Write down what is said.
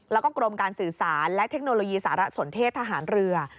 แล้วก็กรมการสื่อสารและเทคโนโลยีสารสนเทศทหารเรือ